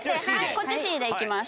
こっちＣでいきます。